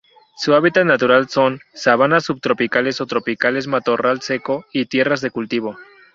Su hábitat natural son: sabana, subtropicales o tropicales matorral seco, y tierras de cultivo.